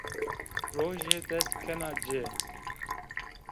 Roje dest kena ci